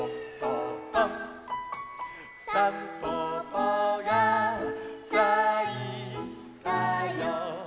「たんぽぽがさいたよ」